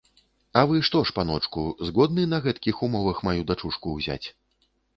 А вы што ж, паночку, згодны на гэткіх умовах маю дачушку ўзяць?